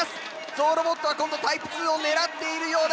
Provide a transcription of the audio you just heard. ゾウロボットは今度タイプ２を狙っているようだ。